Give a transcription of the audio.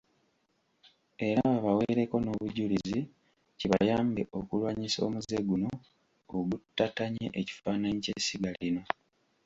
Era babaweereko n'obujulizi, kibayambe okulwanyisa omuze guno oguttattanye ekifaananyi ky'essiga lino.